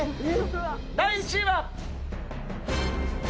第１位は。